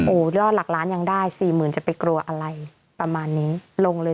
โอ้รอดหลักล้านยังได้๔๐๐๐๐จะไปกลัวอะไรประมาณนี้ลงเลย๔๐๐๐๐